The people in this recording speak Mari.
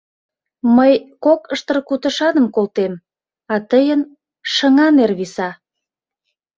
Мый кок ыштыр кутышаным колтем, а тыйын — шыҥа нер виса.